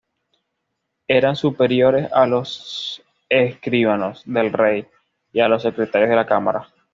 Eran superiores a los escribanos del rey y a los secretarios de la cámara.